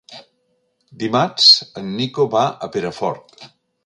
Dimarts en Nico va a Perafort.